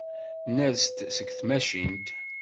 Ners-d seg tmacint.